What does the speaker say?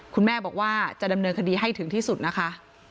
คุณแม่บอกว่าจะดำเนินคดีให้ถึงที่สุดนะคะ